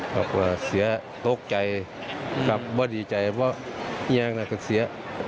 เพราะว่าเสียโต๊ะใจครับไม่ได้ดีใจเพราะเงียงแล้วก็เสีย